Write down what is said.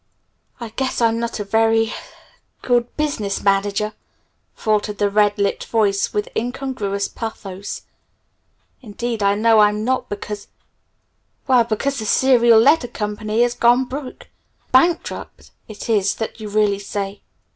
"I guess I'm not a very good business manager," faltered the red lipped voice with incongruous pathos. "Indeed I know I'm not because well because the Serial Letter Co. has 'gone broke! Bankrupt', is it, that you really say?"